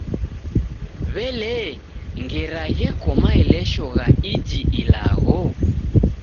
W'elee, ngera gheko maelesho gha iji ilagho?